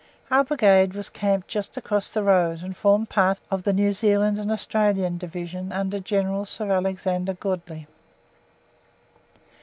Our Brigade was camped just across the road, and formed part of the New Zealand and Australian Division under General Sir Alexander Godley.